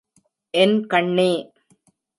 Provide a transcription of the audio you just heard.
என் கண்ணே!